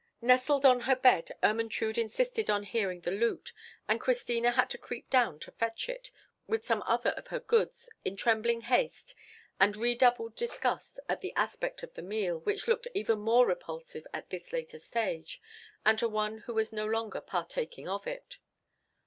Nestled on her bed, Ermentrude insisted on hearing the lute, and Christina had to creep down to fetch it, with some other of her goods, in trembling haste, and redoubled disgust at the aspect of the meal, which looked even more repulsive in this later stage, and to one who was no longer partaking of it.